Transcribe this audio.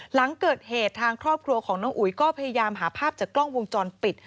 หลังเกิดเหตุทางครอบครัวของน้องอุ๋ยก็พยายามหาภาพจากกล้องวงจรปิด